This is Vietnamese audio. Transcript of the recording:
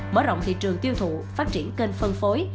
mở rộng thị trường tiêu thụ phát triển kênh phân phối